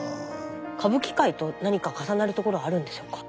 歌舞伎界と何か重なるところあるんでしょうか？